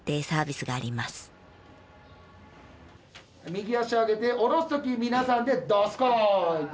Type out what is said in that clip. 右足を上げて下ろす時に皆さんでどすこいっと。